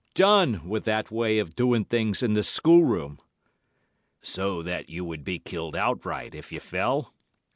Done with that way of doing things in the schoolroom.' "'So that you would be killed outright, if you fell?